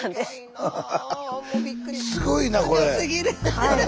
すごいな。